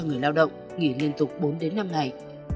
người lao động nghỉ liên tục bốn đến năm ngày